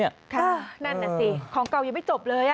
นั่นน่ะสิของเก่ายังไม่จบเลย